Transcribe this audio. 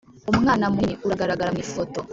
Umwana munini uragaragara mwifoto